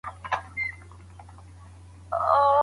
الله تعالی دوی ته د اصلاح توفيق ورکوي.